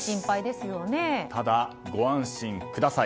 ただ、ご安心ください。